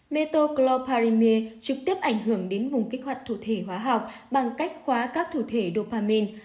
metocloparime trực tiếp ảnh hưởng đến vùng kích hoạt thủ thể hóa học bằng cách khóa các thủ thể dopamine